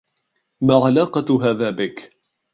ما علاقة هذا بك؟